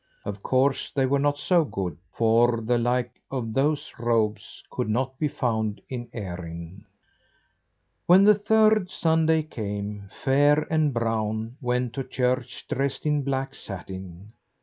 Of course they were not so good; for the like of those robes could not be found in Erin. When the third Sunday came, Fair and Brown went to church dressed in black satin.